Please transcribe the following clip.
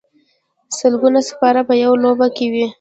سلګونه سپاره په یوه لوبه کې وي.